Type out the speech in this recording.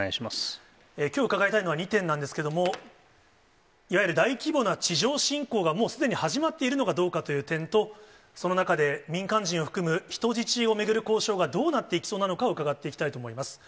きょう伺いたいのは２点なんですけれども、いわゆる大規模な地上侵攻が、もうすでに始まっているのかどうかという点と、その中で、民間人を含む人質を巡る交渉がどうなっていきそうなのかを伺っていきたいと思います。